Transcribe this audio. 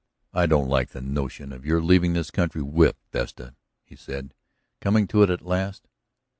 "I don't like the notion of your leaving this country whipped, Vesta," he said, coming to it at last.